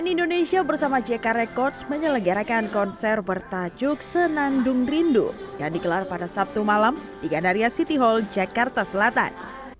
cnn indonesia bersama jk records menyelenggarakan konser bertajuk senandung rindu yang digelar pada sabtu malam di gandaria city hall jakarta selatan